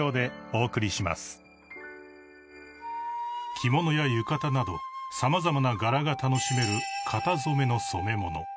［着物や浴衣など様々な柄が楽しめる型染めの染め物］